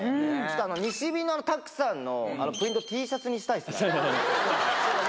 あの西日の拓さんのプリント、Ｔシャツにしたいですね。